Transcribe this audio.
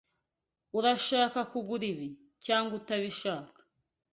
Urashaka kugura ibi cyangwa utabishaka?